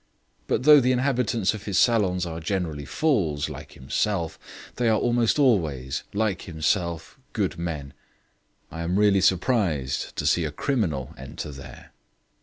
But though the inhabitants of his salons are generally fools, like himself, they are almost always, like himself, good men. I am really surprised to see a criminal enter there."